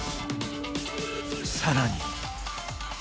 更に！